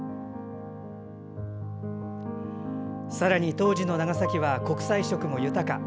さらに当時の長崎は国際色も豊か。